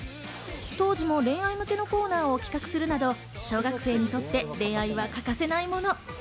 当時も恋愛向けのコーナーを企画するなど小学生にとって恋愛は欠かせないもの。